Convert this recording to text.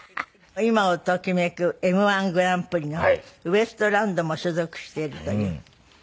今をときめくＭ−１グランプリのウエストランドも所属しているという。